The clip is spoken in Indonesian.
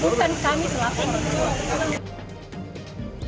bukan kami yang lakukan